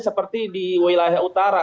seperti di wilayah utara